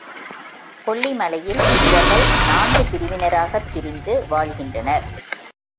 கொல்லி மலையில் இவர்கள் நான்கு பிரிவினராகப் பிரிந்து வாழ்கின்றனர்.